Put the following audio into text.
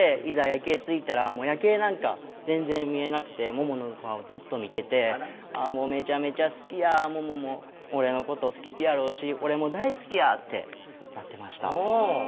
夜景着いたら夜景なんか全然見れなくてモモの顔ずっと見ててあらっめちゃめちゃ好きやモモも俺のこと好きピやろし俺も大好きやってなってましたうん！